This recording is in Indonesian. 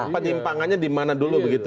penyimpangannya dimana dulu begitu